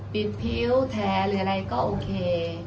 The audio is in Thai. บิดผิวแท้หรืออะไรก็โอเค